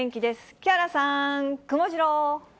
木原さん、くもジロー。